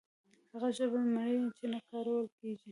هغه ژبه مري چې نه کارول کیږي.